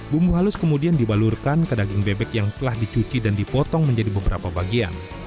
bumbu halus kemudian dibalurkan ke daging bebek yang telah dicuci dan dipotong menjadi beberapa bagian